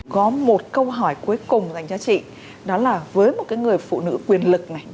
có một câu hỏi cuối cùng dành cho chị đó là với một người phụ nữ quyền lực này